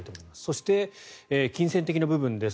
そして、金銭的な部分です。